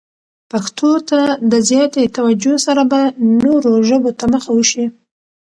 پښتو ته د زیاتې توجه سره به نورو ژبو ته مخه وشي.